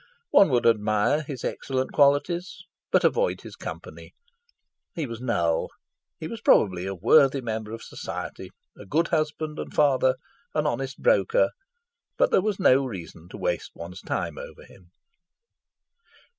One would admire his excellent qualities, but avoid his company. He was null. He was probably a worthy member of society, a good husband and father, an honest broker; but there was no reason to waste one's time over him.